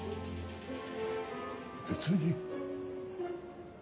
別に。